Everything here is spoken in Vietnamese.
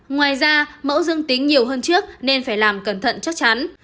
ngoài ra mẫu dương tính nhiều hơn trước nên phải làm cẩn thận chắc chắn